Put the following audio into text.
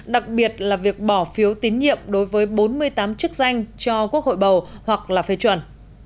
đặc biệt là việc bỏ phiếu tín nhiệm đối với bốn mươi tám chức danh cho quốc hội bầu hoặc là phê chuẩn